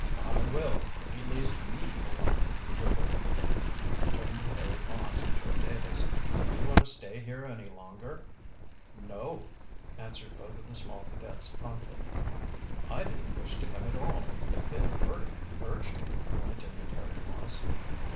"I will, when he leaves me alone," retorted Dick. He turned to Harry Moss and Joe Davis. "Do you want to stay here any longer?" "No," answered both of the small cadets promptly. "I didn't wish to come at all, but Ben Hurdy urged it," continued Harry Moss.